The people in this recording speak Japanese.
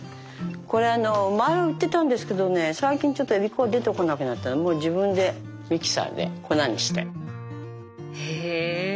これあの前は売ってたんですけどね最近ちょっとえび粉が出てこなくなったらもう自分でミキサーで粉にして。へ。